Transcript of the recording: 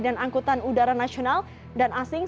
dan angkutan udara nasional dan asing